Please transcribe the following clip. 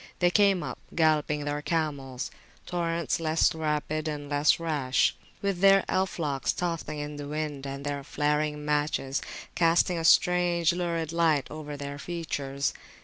They came up, galloping their camels, Torrents less rapid, and less rash, with their elf locks tossing in the wind, and their flaring [p.144] matches casting a strange lurid light over their features.